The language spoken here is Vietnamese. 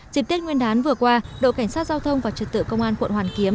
dịp tết nguyên đán vừa qua đội cảnh sát giao thông và trật tự công an quận hoàn kiếm